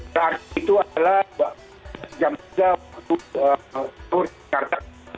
saat itu adalah jam tiga waktu tur di jakarta